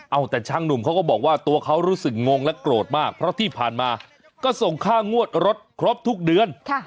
เอาแต่ช่างหนุ่มเขาก็บอกว่าตัวเขารู้สึกงงและโกรธมากเพราะที่ผ่านมาก็ส่งค่างวดรถครบทุกเดือน